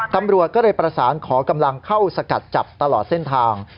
ตำรวจก็เลยประสานขอกำลังเข้าสกัดจับตลอดเส้นทาง